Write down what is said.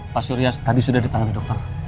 pak surya tadi sudah ditangani dokter